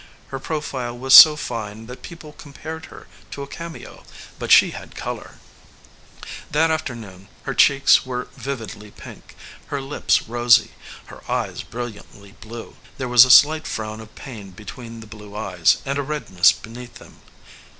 Her profile was so fine that peo ple compared her to a cameo ; but she had color. 59 EDGEWATER PEOPLE That afternoon her cheeks were vividly pink, her lips rosy, her eyes brilliantly blue. There was a slight frown of pain between the blue eyes, and a redness beneath them.